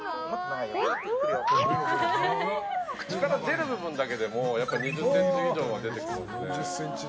口から出る部分だけでも２０ｃｍ以上は出てくるので。